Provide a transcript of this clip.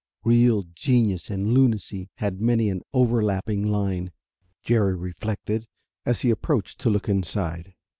Real genius and lunacy had many an over lapping line, Jerry reflected as he approached to look inside.